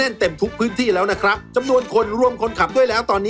รถตุ๊กหน้ากบจะต้องวิ่งในระยะ๕เมตร